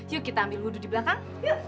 yuk kita ambil hudu di belakang